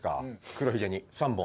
黒ひげに３本。